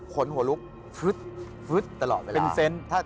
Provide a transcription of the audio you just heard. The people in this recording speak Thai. ขนหัวลุกตลอดเวลา